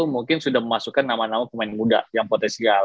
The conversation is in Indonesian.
mungkin sudah memasukkan nama nama pemain muda yang potensial